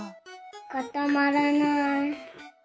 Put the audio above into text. かたまらない。